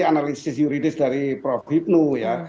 analisis yuridis dari prof hipnu ya